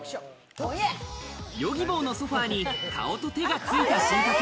Ｙｏｇｉｂｏのソファーに、顔と手がついた進化系